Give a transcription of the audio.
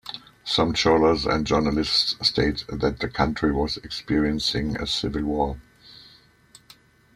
Some scholars and journalists state that the country was experiencing a civil war.